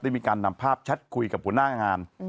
ได้มีการนำภาพชัดคุยกับผู้หน้างาน